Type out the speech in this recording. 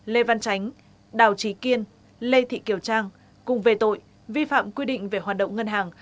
lê văn chánh đào trí kiên lê thị kiều trang cùng về tội vi phạm quy định về hoạt động ngân hàng